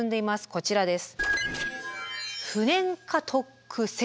こちらです。